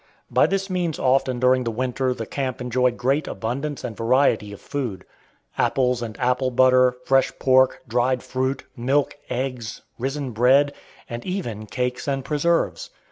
By this means often during the winter the camp enjoyed great abundance and variety of food. Apples and apple butter, fresh pork, dried fruit, milk, eggs, risen bread, and even cakes and preserves.